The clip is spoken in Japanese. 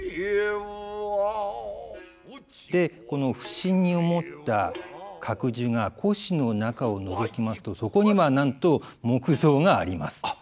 で不審に思った覚寿が輿の中をのぞきますとそこにはなんと木像があります。